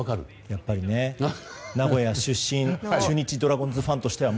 やっぱりね、名古屋出身中日ドラゴンズファンとしては。